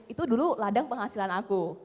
itu dulu ladang penghasilan aku